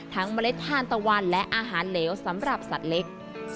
เมล็ดทานตะวันและอาหารเหลวสำหรับสัตว์เล็ก